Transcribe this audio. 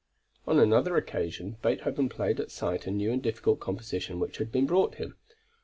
On another occasion, Beethoven played at sight a new and difficult composition which had been brought him.